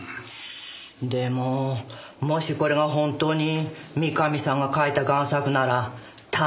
でももしこれが本当に三上さんが描いた贋作なら大した力量だわね。